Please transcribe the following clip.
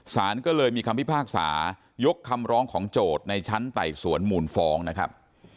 สารก็เลยมีคำพิพากษายกคำร้องของโจทย์ในชั้นไต่สวนมูลฟ้องนะครับ